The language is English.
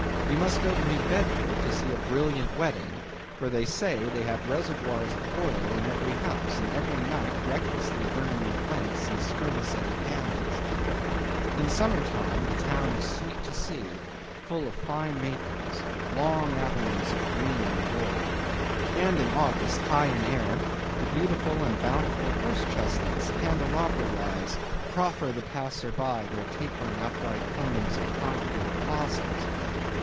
You must go to New Bedford to see a brilliant wedding; for, they say, they have reservoirs of oil in every house, and every night recklessly burn their lengths in spermaceti candles. In summer time, the town is sweet to see; full of fine maples—long avenues of green and gold. And in August, high in air, the beautiful and bountiful horse chestnuts, candelabra wise, proffer the passer by their tapering upright cones of congregated blossoms.